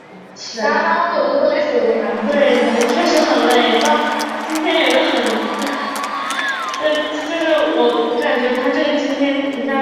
台湾知名主持人胡瓜的艺名是他取的。